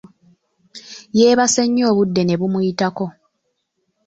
Yeebase nnyo obudde ne bumuyitako.